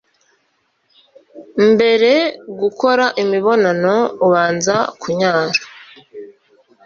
mbere gukora imibonano ubanza kunyara